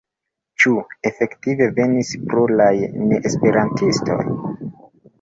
Ĉu efektive venis pluraj neesperantistoj?